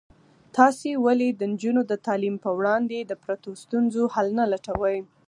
تاسې ولې د نجونو د تعلیم په وړاندې د پرتو ستونزو حل نه لټوئ؟